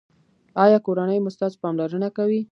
ایا کورنۍ مو ستاسو پاملرنه کوي؟